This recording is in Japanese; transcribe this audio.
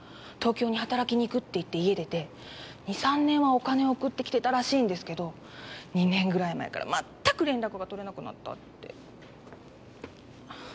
東京に働きに行くって言って家出て２３年はお金を送ってきてたらしいんですけど２年ぐらい前からまったく連絡が取れなくなったって。